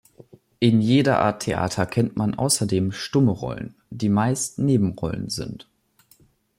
In jeder Art Theater kennt man außerdem stumme Rollen, die meist Nebenrollen sind.